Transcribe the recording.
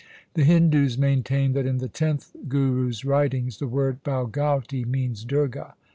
The Hindus maintain that in the tenth Guru's writings the word Bhagauti means Durga.